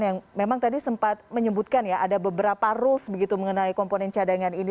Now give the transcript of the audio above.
yang memang tadi sempat menyebutkan ya ada beberapa rules begitu mengenai komponen cadangan ini